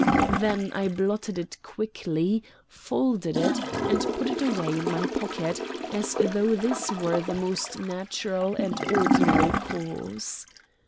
Then I blotted it quickly, folded it, and put it away in my pocket, as though this were the most natural and ordinary course.